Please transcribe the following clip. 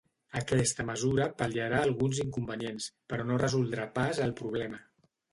Aquesta mesura pal·liarà alguns inconvenients, però no resoldrà pas el problema.